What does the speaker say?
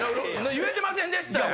言えてませんでしたやん！